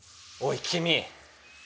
おいきみ！